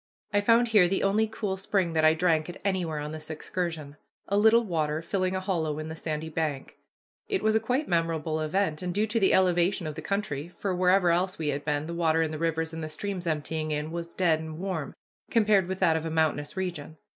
I found here the only cool spring that I drank at anywhere on this excursion, a little water filling a hollow in the sandy bank. It was a quite memorable event, and due to the elevation of the country, for wherever else we had been the water in the rivers and the streams emptying in was dead and warm, compared with that of a mountainous region.